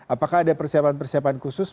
apakah ada persiapan persiapan khusus